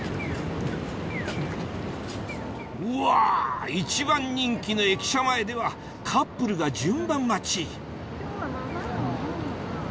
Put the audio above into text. うわ一番人気の駅舎前ではカップルが順番待ち